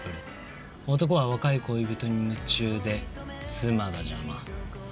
男は若い恋人に夢中で妻が邪魔。